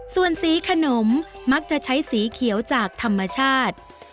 ส่วนสีขนมมักจะใช้สีเขียวจากธรรมชาติ